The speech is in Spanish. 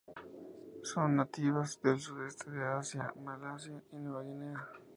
Son nativas del sudeste de Asia, Malasia y Nueva Guinea.